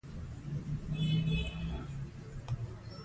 پوښتنو ته ځواب نه ورکوي.